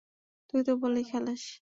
তুই তো বলেই খালাস।